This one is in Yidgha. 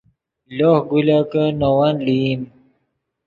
لوہ گولکے نے ون لئیم